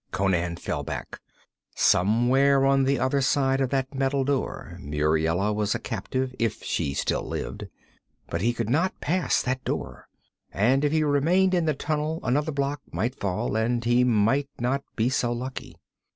Conan fell back. Somewhere on the other side of that metal door Muriela was a captive, if she still lived. But he could not pass that door, and if he remained in the tunnel another block might fall, and he might not be so lucky.